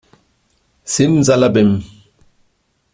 Simsalabim!